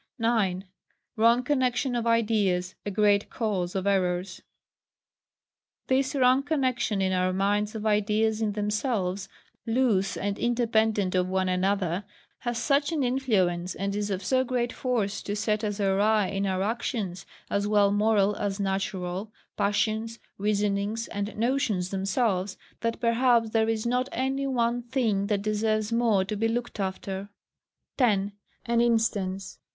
9. Wrong connexion of ideas a great Cause of Errors. This wrong connexion in our minds of ideas in themselves loose and independent of one another, has such an influence, and is of so great force to set us awry in our actions, as well moral as natural, passions, reasonings, and notions themselves, that perhaps there is not any one thing that deserves more to be looked after. 10. As instance.